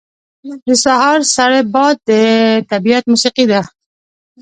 • د سهار سړی باد د طبیعت موسیقي ده.